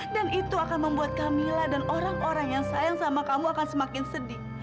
dan itu akan membuat kamila dan orang orang yang sayang sama kamu akan semakin sedih